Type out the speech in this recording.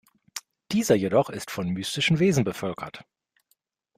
Dieser jedoch ist von mystischen Wesen bevölkert.